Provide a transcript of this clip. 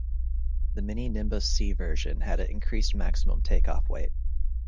The Mini-Nimbus C version had an increased maximum takeoff weight.